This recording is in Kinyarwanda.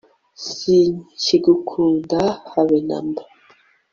sinkigukunda habe na mba